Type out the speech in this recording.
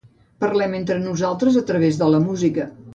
Parlem entre nosaltres a través de la música.